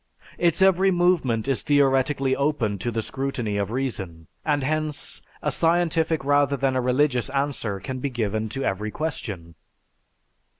Its every movement is theoretically open to the scrutiny of reason. And hence, a scientific rather than a religious answer can be given to every question."